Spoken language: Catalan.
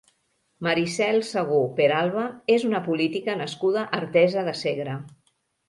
Maricel Segú Peralba és una política nascuda a Artesa de Segre.